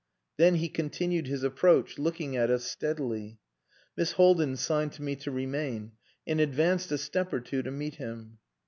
Then he continued his approach, looking at us steadily. Miss Haldin signed to me to remain, and advanced a step or two to meet him.